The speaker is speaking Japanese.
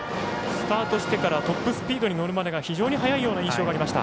スタートしてからトップスピードに乗るまでが非常に早いような印象がありました。